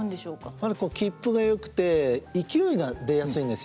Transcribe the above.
やはりきっぷがよくて勢いが出やすいんですよね。